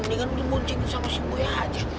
nih kan mending buncing sama si gue aja